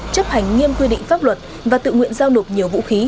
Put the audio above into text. chấp hành nghiêm quy định pháp luật và tự nguyện giao nộp nhiều vũ khí